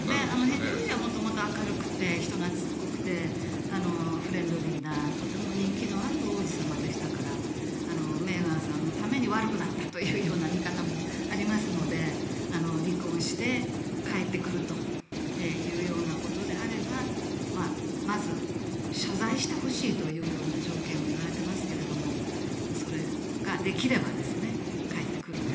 ヘンリー王子は元々明るくて人懐こくてフレンドリーなとても人気のある王子様でしたからメーガンさんのために悪くなったという見方もありますので離婚して、帰ってくるというようなことであればまず、謝罪してほしいという条件を言われていますけれどそれができれば帰ってくるかもしれない。